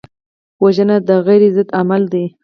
وژنه د خیر ضد عمل دی